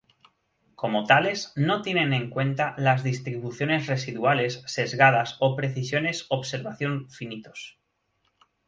Como tales, no tienen en cuenta las distribuciones residuales sesgadas o precisiones observación finitos.